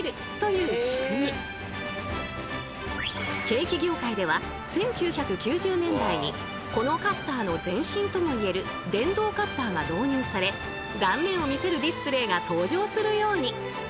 ケーキ業界では１９９０年代にこのカッターの前身とも言える電動カッターが導入され断面を見せるディスプレーが登場するように。